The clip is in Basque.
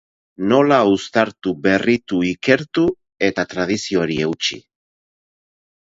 Nola uztartu, berritu, ikertu eta tradizioari eutsi?